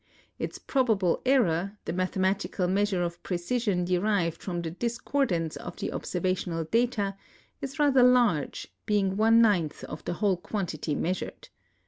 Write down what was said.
Its probable error, the mathematical measure of precision derived from the discordance of the observational data, is rather large, being one ninth of the whole quantity measured.